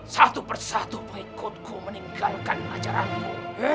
satu persatu pengikutku meninggalkan ajaranmu